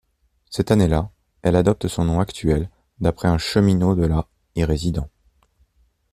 Cette année-là, elle adopte son nom actuel d'après un cheminot de la y résidant.